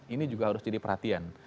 ini juga harus jadi perhatian